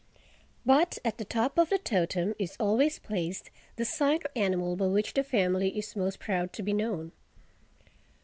But at the top of the totem is always placed the sign or animal by which the family is most proud to be known.